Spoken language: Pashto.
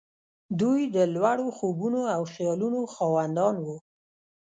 دوی د لوړو خوبونو او خيالونو خاوندان وو.